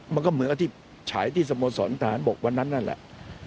มันก็เหมือนกับที่ฉายที่สโมสรทหารบกวันนั้นนั่นแหละ